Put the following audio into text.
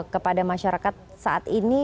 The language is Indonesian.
kepada masyarakat saat ini